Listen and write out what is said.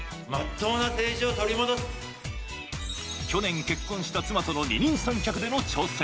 去年結婚した妻との二人三脚での挑戦。